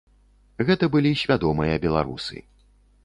Гэта былі свядомыя беларусы.